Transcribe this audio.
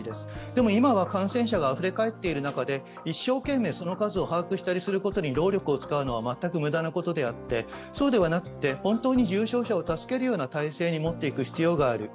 でも今は感染者があふれ返っている中で、一生懸命、その数を把握したりすることに労力を使うのは全く無駄なことであってそうではなくて本当に重症者を助けるような体制に持っていく必要がある。